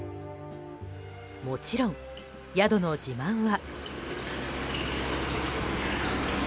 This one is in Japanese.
もちろん、宿の自慢は。